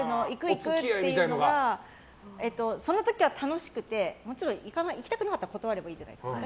行く！っていうのがその時は楽しくてもちろん行きたくなかったら断ればいいじゃないですか。